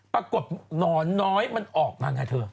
ปรากฏนอนน้อยมันออกมาไงเถอะ